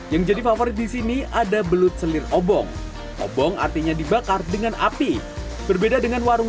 yang jadi favorit di sini ada belut selir obong obong artinya dibakar dengan api berbeda dengan warung